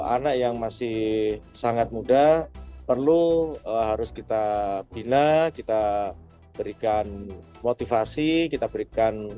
anak yang masih sangat muda perlu harus kita bina kita berikan motivasi kita berikan